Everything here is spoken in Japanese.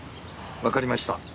わかりました。